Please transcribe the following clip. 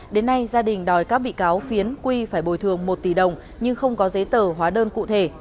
đến nay gia đình đòi các bị cáo phiến quy phải bồi thường một tỷ đồng nhưng không có giấy tờ hóa đơn cụ thể